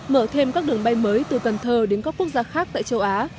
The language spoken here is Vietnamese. mở thêm các đường bay mới từ cần thơ đến các quốc gia khác tại châu á